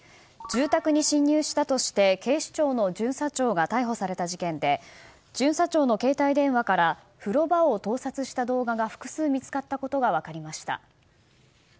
住宅に侵入したとして警視庁の巡査長が逮捕された事件で巡査長の携帯電話から風呂場を盗撮した動画が複数見つかったことが分かりました。